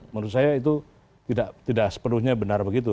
menurut saya itu tidak sepenuhnya benar begitu